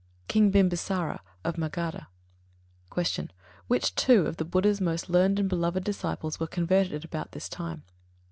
King Bimbisāra, of Magadha. 82. Q. _Which two of the Buddha's most learned and beloved disciples were converted at about this time?